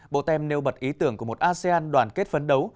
bộ tem nêu bật ý tưởng của một asean đoàn kết phấn đấu